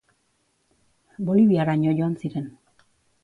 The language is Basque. Boliviaraino joan ziren.